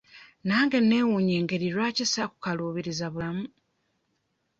Nange neewuunya engeri lwaki saakukaluubiriza bulamu?